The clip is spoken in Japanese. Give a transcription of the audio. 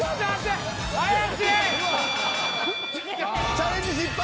チャレンジ失敗！